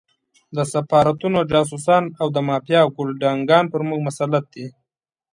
د سفارتونو جاسوسان او د مافیا ګُلډانګان پر موږ مسلط دي.